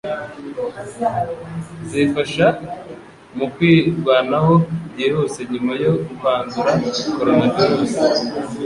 zifasha mu kwirwanaho byihuse nyuma yo kwandura coronavirus